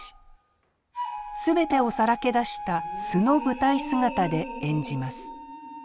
全てをさらけ出した素の舞台姿で演じます。